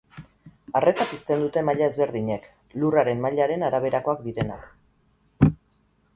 Arreta pizten dute maila ezberdinek, lurraren mailaren araberakoak direnak.